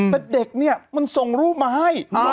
แต่เด็กเนี่ยมันส่งรูปมาให้